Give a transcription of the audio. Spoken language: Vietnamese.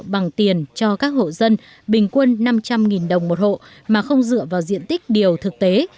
bằng tiền cho các hộ dân bình quân năm trăm linh đồng một hộ mà không dựa vào diện tích điều thực tế